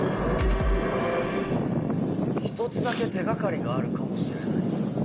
１つだけ手掛かりがあるかもしれないっす。